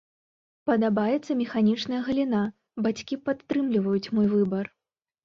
Падабаецца механічная галіна, бацькі падтрымліваюць мой выбар.